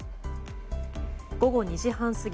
午後２時半過ぎ